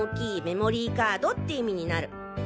メモリーカードって意味になる。